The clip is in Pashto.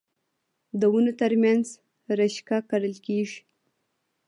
د ونو ترمنځ رشقه کرل کیږي.